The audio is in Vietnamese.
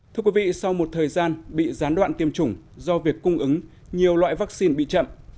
thưa quý vị sau một thời gian bị gián đoạn tiêm chủng do việc cung ứng nhiều loại vaccine bị chậm